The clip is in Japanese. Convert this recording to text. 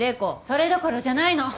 それどころじゃないの。